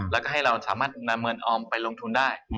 แล้วก็ให้เราสามารถนำเงินออมไปลงทุนได้